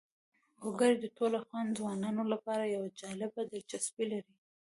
وګړي د ټولو افغان ځوانانو لپاره یوه جالبه دلچسپي لري.